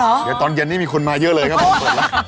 เดี๋ยวตอนเย็นนี้มีคนมาเยอะเลยครับผมเปิดร้าน